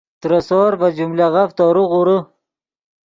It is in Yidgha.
ترے سور ڤے جملغف تورو غورے